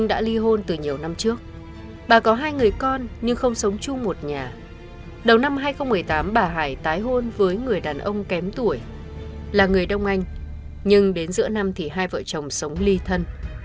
đầu năm hai nghìn một mươi tám bà hải tái hôn với người đàn ông kém tuổi là người đông anh nhưng đến giữa năm thì hai vợ chồng sống ly thân